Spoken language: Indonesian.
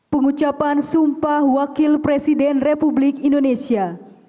pengucapan sumpah wakil presiden republik indonesia